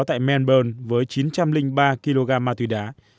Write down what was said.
tại melburne với chín trăm linh ba kg ma túy đá